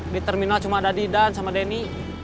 di terminal cuma ada didan sama denny